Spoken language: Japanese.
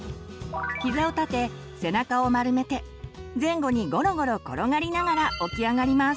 ひざを立て背中を丸めて前後にごろごろ転がりながら起き上がります。